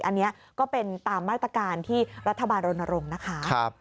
อันนี้ก็เป็นตามมาตรการที่รัฐบาลรณรงค์นะคะ